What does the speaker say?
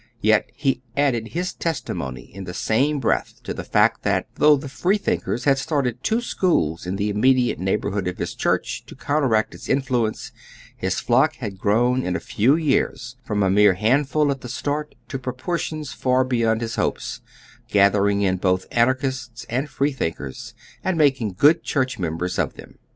Yet he added his testimony in the same breath to the fact that, tliough the Freethinkers had started two schools in the immediate neighborhood of his church to counteract its influence, his flock had grown in a few years from a mere handful at the start to propor tions far beyond his hopes, gathering in both Anarchists and Freethinkers, and making good church members of them.